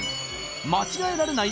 間違えられない